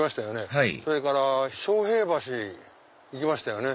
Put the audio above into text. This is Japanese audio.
はいそれから昌平橋行きましたよね。